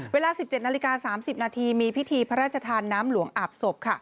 เวลา๑๗นาฬิกา๓๐นาทีมีพิธีพระราชทานน้ำหลวงอาบศพ